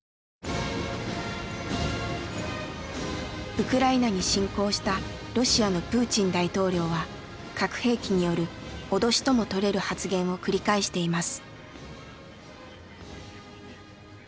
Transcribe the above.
ウクライナに侵攻したロシアのプーチン大統領は核兵器による脅しともとれる発言を繰り返しています。